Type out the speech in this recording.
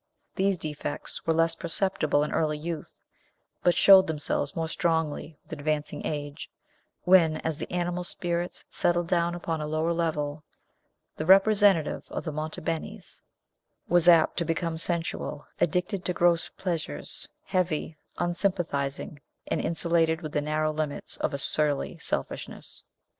These defects were less perceptible in early youth, but showed themselves more strongly with advancing age, when, as the animal spirits settled down upon a lower level, the representative of the Monte Benis was apt to become sensual, addicted to gross pleasures, heavy, unsympathizing, and insulated within the narrow limits of a surly selfishness.